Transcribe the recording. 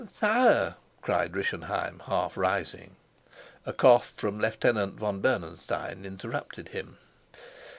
"Sire " cried Rischenheim, half rising. A cough from Lieutenant von Bernenstein interrupted him.